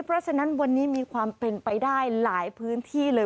เพราะฉะนั้นวันนี้มีความเป็นไปได้หลายพื้นที่เลย